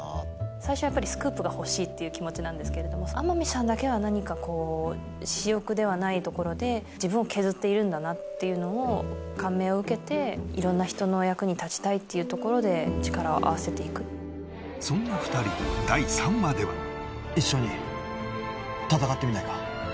最初はやっぱりスクープがほしいっていう気持ちなんですけれども天海さんだけは何か私欲ではないところで自分を削っているんだなっていうのを感銘を受けていろんな人の役に立ちたいっていうところで力を合わせていくそんな２人第３話では一緒に戦ってみないか？